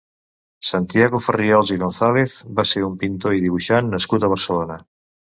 Santiago Farriols i Gonzàlez va ser un pintor i dibuixant nascut a Barcelona.